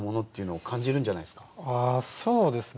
あそうですね。